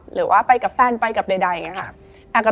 หรือว่าไปกับแฟนไปกับใดอย่างนี้ค่ะ